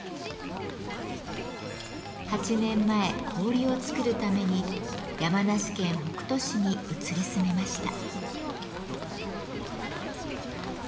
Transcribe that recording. ８年前氷を作るために山梨県北杜市に移り住みました。